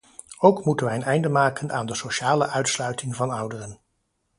Ook moeten wij een einde maken aan de sociale uitsluiting van ouderen.